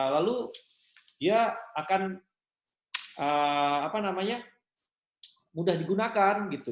lalu ya akan apa namanya mudah digunakan gitu